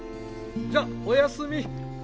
じゃあおやすみ。